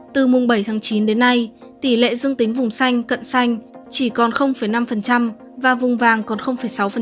từ mùng bảy tháng chín đến nay tỷ lệ dương tính vùng xanh cận xanh chỉ còn năm và vùng vàng còn sáu